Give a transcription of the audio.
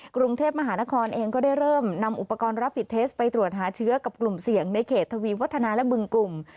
กรุงเทพมหานครเองก็ได้เริ่มนำอุปกรณ์รับผิดเทสไปตรวจหาเชื้อกับกลุ่มเสี่ยงในเขตทวีวัฒนาและบึงกลุ่ม